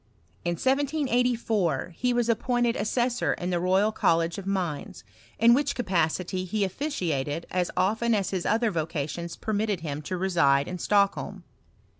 In 1784 he was appointed assessor in the Royal Col lege of Mines, in which capacity he officiated as often as his other vocations permitted him to reside in Stockholm.